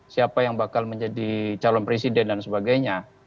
siapa yang bakal menjadi calon presiden dan sebagainya